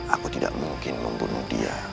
aku tidak mungkin membunuh dia